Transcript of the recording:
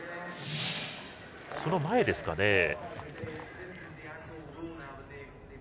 その前ですかね。